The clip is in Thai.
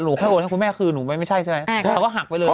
แค่โ่นให้คุณพี่คุณแม่คืนไม่ใช่นะใช่มั้ยตัวหักไปเลย